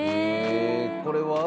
これは？